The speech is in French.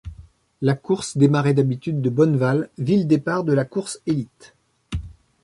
La course démarrait d'habitude de Bonneval, ville-départ de la course élite.